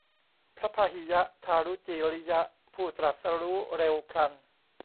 พระพาหิยทารุจีริยะ ผู้ตรัสรู้เร็วพลัน